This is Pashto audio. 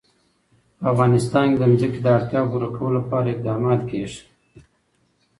په افغانستان کې د ځمکه د اړتیاوو پوره کولو لپاره اقدامات کېږي.